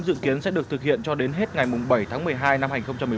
dự kiến sẽ được thực hiện cho đến hết ngày bảy tháng một mươi hai năm hai nghìn một mươi chín